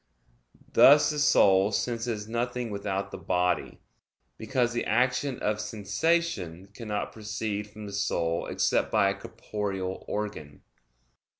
Thus the soul senses nothing without the body, because the action of sensation cannot proceed from the soul except by a corporeal organ.